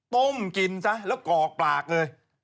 ต้มกินซะแล้วกอกปากเลย